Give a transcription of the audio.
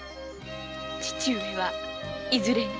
父上はいずれに？